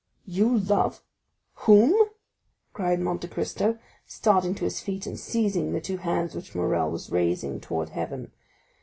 "You love?—whom?" cried Monte Cristo, starting to his feet, and seizing the two hands which Morrel was raising towards heaven.